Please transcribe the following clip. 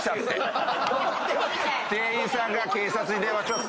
店員さんが警察に電話します。